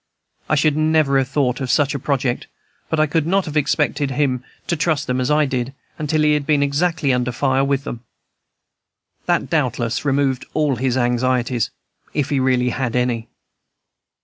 I should never have thought of such a project, but I could not have expected bun to trust them as I did, until he had been actually under fire with them. That, doubtless, removed all his anxieties, if he really had any.